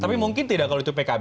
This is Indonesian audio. tapi mungkin tidak kalau itu pkb